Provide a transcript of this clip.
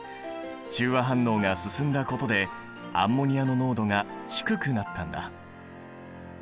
中和反応が進んだことでアンモニアの濃度が低くなったんだ。